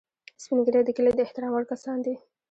سپین ږیری د کلي د احترام وړ کسان دي